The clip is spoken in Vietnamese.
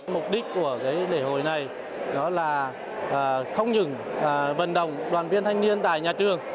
mục đích của lễ hội này đó là không những vận động đoàn viên thanh niên tại nhà trường